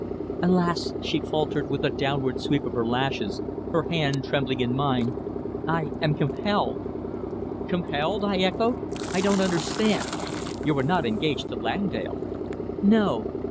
"Alas!" she faltered, with a downward sweep of her lashes, her hand trembling in mine, "I am compelled." "Compelled?" I echoed. "I don't understand. You are not engaged to Langdale?" "No."